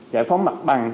giải phóng mặt bằng